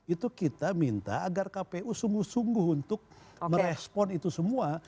itu kita minta agar kpu sungguh sungguh untuk merespon itu semua